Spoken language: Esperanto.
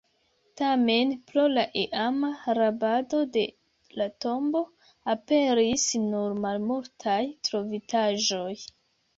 Tamen, pro la iama rabado de la tombo, aperis nur malmultaj trovitaĵoj.